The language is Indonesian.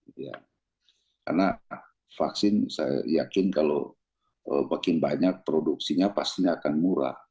karena vaksin saya yakin kalau makin banyak produksinya pasti akan murah